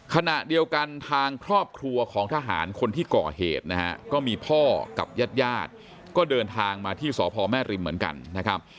ขณะเดียวกันทางครอบครัวของทหารคนที่ก่อเหตุนะฮะก็มีพ่อกับญาติญาติก็เดินทางมาที่สพแม่ริมเหมือนกันนะครับ